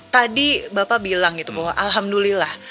tadi bapak bilang gitu bahwa alhamdulillah